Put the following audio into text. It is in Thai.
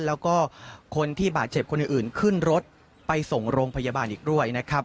แล้วก็คนที่บาดเจ็บคนอื่นขึ้นรถไปส่งโรงพยาบาลอีกด้วยนะครับ